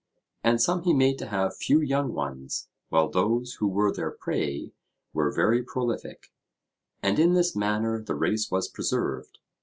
And some he made to have few young ones, while those who were their prey were very prolific; and in this manner the race was preserved.